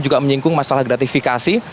juga menyingkung masalah gratifikasi